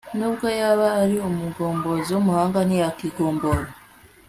n'ubwo yaba ari umugombozi w'umuhanga ntiyakwigombora